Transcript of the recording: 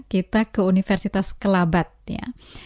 kita ke universitas kelabat ya